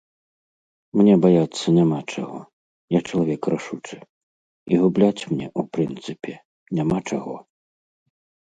Мне баяцца няма чаго, я чалавек рашучы, і губляць мне, у прынцыпе, няма чаго.